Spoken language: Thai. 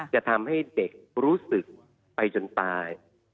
จะทำให้เด็กรู้สึกไปจนตาย